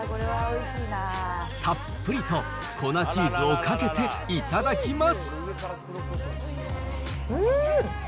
たっぷりと粉チーズをかけて頂きます。